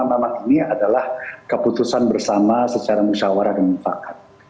yang pertama tama ini adalah keputusan bersama secara musyawara dan mufakat